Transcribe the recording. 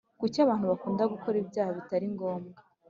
Kuki abantu bakunda gukora ibyaha bitari ngombwa